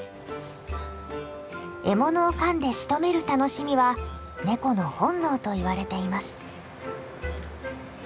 獲物をかんでしとめる楽しみはネコの本能といわれています。